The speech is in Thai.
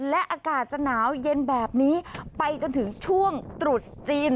และอากาศจะหนาวเย็นแบบนี้ไปจนถึงช่วงตรุษจีน